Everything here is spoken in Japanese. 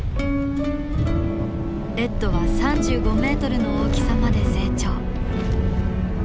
レッドは３５ｍの大きさまで成長。